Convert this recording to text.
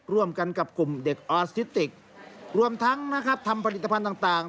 ร่วมกันกับกลุ่มเด็กออสทิติกรวมทั้งนะครับทำผลิตภัณฑ์ต่าง